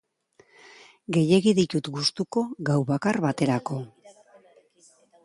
Gehiegi ditut gustuko gau bakar baterako.